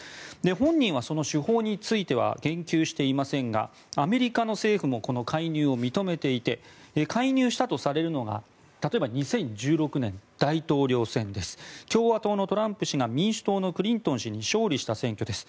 本人はその手法については言及していませんがアメリカの政府もこの介入を認めていて介入したとされるのが例えば２０１６年の大統領選共和党のトランプ氏が民主党のクリントン氏に勝利した選挙です。